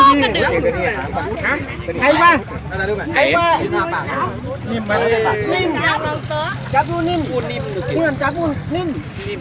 ไงบ้าง